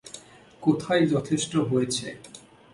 কোথায় যথেষ্ট হয়েছে।